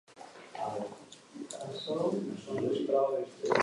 El vint-i-tres de maig en Julià i na Lara iran al teatre.